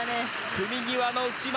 組み際の内股。